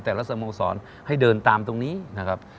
สโมสรให้เดินตามตรงนี้นะครับ